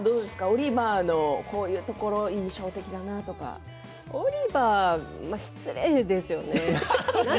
オリバーのこういうところが印象的だなとかありますか？